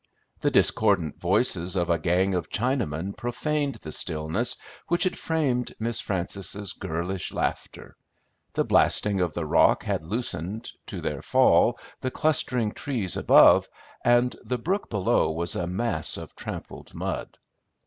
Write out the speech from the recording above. The discordant voices of a gang of Chinamen profaned the stillness which had framed Miss Frances' girlish laughter; the blasting of the rock had loosened, to their fall, the clustering trees above, and the brook below was a mass of trampled mud.